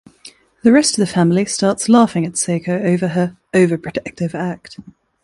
The rest of the family starts laughing at Seiko over her "overprotective" act.